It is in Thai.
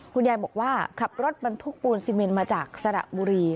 คุณยายบอกว่าขับรถบรรทุกปูนซีเมนมาจากสระบุรี